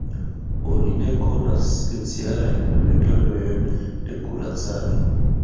Oni ne konas specialajn metodojn de kuracado.